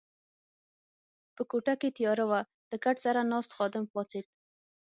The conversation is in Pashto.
په کوټه کې تیاره وه، له کټ سره ناست خادم پاڅېد.